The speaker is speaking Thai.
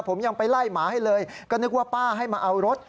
ผมยังไปไล่หมาให้เลยก็นึกว่าป้าให้มาเอารถ